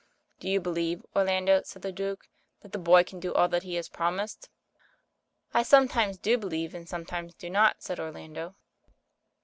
Do you believe, Orlando,'' said the Duke, "that the boy can do all that he has promised?" "I sometimes do believe and sometimes do not," said Orlando.